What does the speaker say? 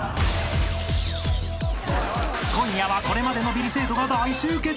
［今夜はこれまでのビリ生徒が大集結！］